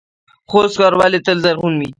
خوست ښار ولې تل زرغون وي؟